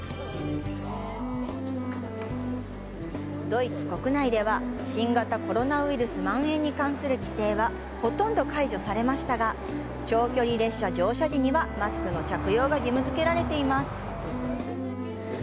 ドイツ国内では、新型コロナウイルスまん延に関する規制はほとんど解除されましたが長距離列車乗車時にはマスクの着用が義務づけられています。